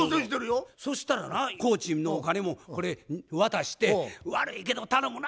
そしたらな工賃のお金もこれ渡して「悪いけど頼むな」